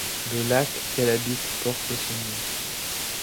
Le lac qu'elle habite porte son nom.